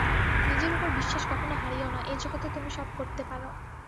নিজের উপর বিশ্বাস কখনও হারিও না, এ জগতে তুমি সব করতে পার।